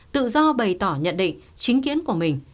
tự do bày tỏ nhận định chính kiến của mình